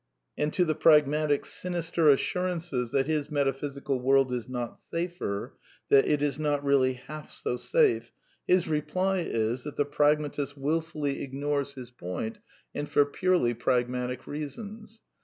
And to the pragmatist's sinister assurances that his metaphysical world is not safer, that it is not really half so safe, his reply is that the pragmatist wilfully ignores PEAGMATISM AND HUMANISM 133 his point, and for purely pragmatic reasons.